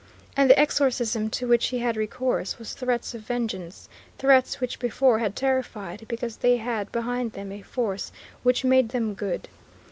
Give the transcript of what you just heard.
And the exorcism to which he had recourse was threats of vengeance, threats which before had terrified, because they had behind them a force which made them good.